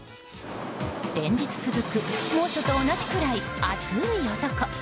連日続く猛暑と同じぐらい、熱い男。